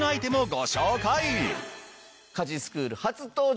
家事スクール初登場